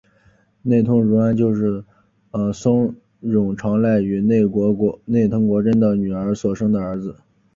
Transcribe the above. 内藤如安就是松永长赖与内藤国贞的女儿所生的儿子。